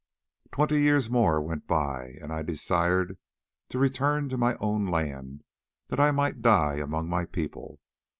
"Twenty years more went by, and I desired to return to my own land that I might die among my people.